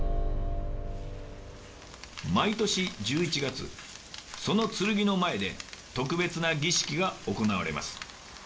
毎年１１月その剣の前で特別な儀式が行われます。